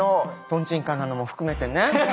とんちんかんなのも含めてね。